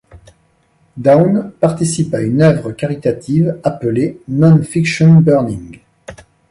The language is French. Dawn participe à une œuvre caritative appelée Non-Fiction Burning.